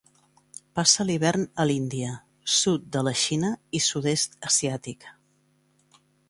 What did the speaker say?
Passa l'hivern a l'Índia, sud de la Xina i Sud-est asiàtic.